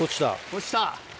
落ちた。